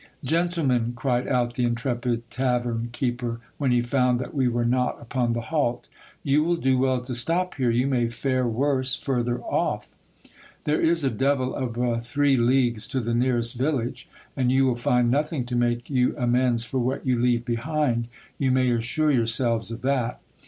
Gentlemen, cried out the intrepid tavern keeper, when he found hat we were not upon the halt, you will do well to stop here ; you may fare worse further off. There is a devil of a three leagues to the neares't village, and you will find nothing to make you amends for what you leave behind ; you nay assure yourselves of that.